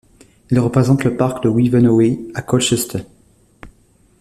Il représente le parc de Wivenhoe à Colchester.